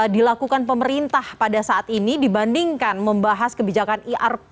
dilakukan pemerintah pada saat ini dibandingkan membahas kebijakan irp